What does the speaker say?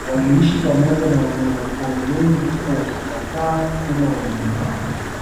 Waliishi pamoja na wanyama pori wengi huku wakikataa kula wanyama hao